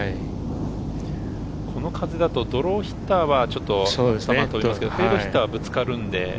この風だとドローヒッターは飛びますけど、フェードヒッターはぶつかるんで。